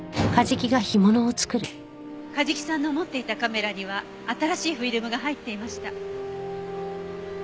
梶木さんの持っていたカメラには新しいフィルムが入っていました。